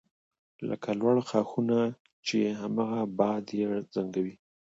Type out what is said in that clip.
لکه لوړ ښاخونه چې هماغه باد یې زنګوي